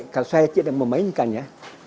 kalau saya tidak memainkannya